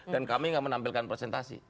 dan kami tidak menampilkan presentasi